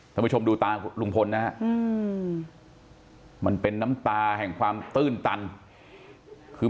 ท่านผู้ชมดูตาลุงพลนะฮะมันเป็นน้ำตาแห่งความตื้นตันคือ